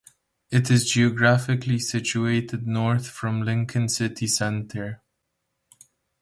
It is geographically situated north from Lincoln city centre.